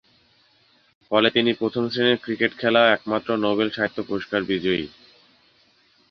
ফলে তিনি প্রথম শ্রেণির ক্রিকেট খেলা একমাত্র নোবেল সাহিত্য পুরস্কার বিজয়ী।